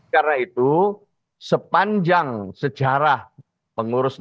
karena itu sepanjang sejarah pengadilan